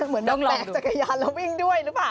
แบกยันแล้ววิ่งด้วยหรือเปล่า